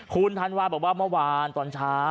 คุณธันวาบอกว่าเมื่อวานตอนเช้า